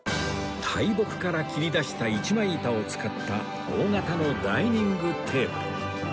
大木から切り出した一枚板を使った大型のダイニングテーブル